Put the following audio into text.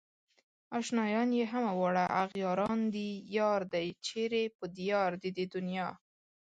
اشنايان يې همه واړه اغياران دي يار دئ چيرې په ديار د دې دنيا